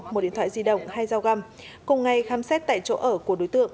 một điện thoại di động hai dao găm cùng ngày khám xét tại chỗ ở của đối tượng